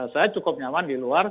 saya cukup nyaman di luar